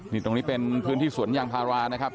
นี่ตรงนี้เป็นพื้นที่สวนยางพารานะครับ